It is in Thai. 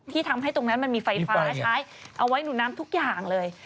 ทำให้ตรงนั้นมันมีไฟฟ้าใช้เอาไว้หนูน้ำทุกอย่างเลย